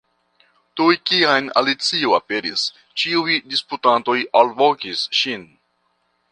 Tuj kiam Alicio aperis, ĉiuj disputantoj alvokis ŝin.